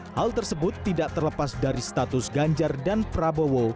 hal tersebut tidak terlepas dari status ganjar dan prabowo